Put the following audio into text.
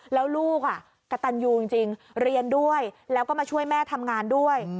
แล้วลูกกระตันยูจริงเรียนด้วยแล้วก็มาช่วยแม่ทำงานด้วย